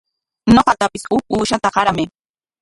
Ñuqatapis huk uushata qaramay.